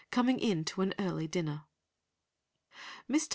coming in to an early dinner." Mr.